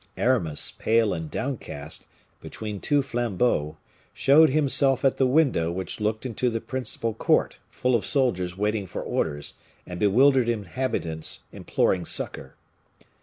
Aramis, pale and downcast, between two flambeaux, showed himself at the window which looked into the principal court, full of soldiers waiting for orders and bewildered inhabitants imploring succor.